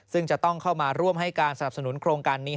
ซึ่งจะต้องเข้ามาร่วมให้การสนับสนุนโครงการนี้